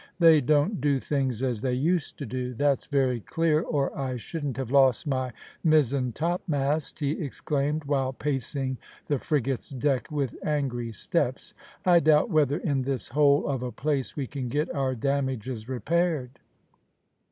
"They don't do things as they used to do, that's very clear, or I shouldn't have lost my mizen topmast!" he exclaimed, while pacing the frigate's deck with angry steps; "I doubt whether in this hole of a place we can get our damages repaired."